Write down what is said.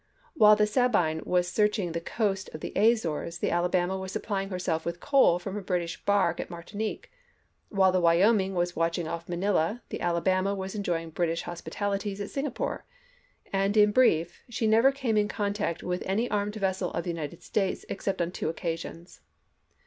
While the Sabine was searching the coast of the Azores, the Alabama was supplying herself with coal from a British bark at Martinique; while the Wyoming was watching off Manila, the Alabama was enjoying British hospitalities at Singapore; and in brief, she never came in contact with any armed vessel of the United States except on two occasions.